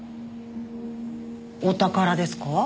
お宝ですか？